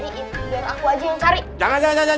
itu biar aku aja yang cari